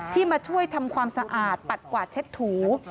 มาช่วยทำความสะอาดปัดกวาดเช็ดถู